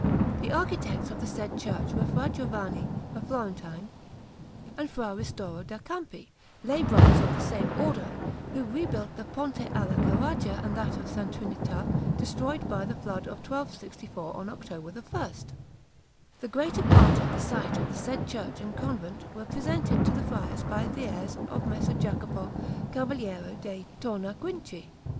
The architects of the said church were Fra Giovanni, a Florentine, and Fra Ristoro da Campi, lay brothers of the same Order, who rebuilt the Ponte alla Carraja and that of S. Trinita, destroyed by the flood of 1264 on October 1. The greater part of the site of the said church and convent was presented to the friars by the heirs of Messer Jacopo, Cavaliere de' Tornaquinci.